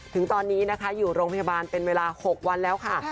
ถึงตอนนี้นะคะอยู่โรงพยาบาลเป็นเวลา๖วันแล้วค่ะ